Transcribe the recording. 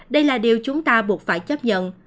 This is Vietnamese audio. đây là điều chúng ta buộc phải chấp nhận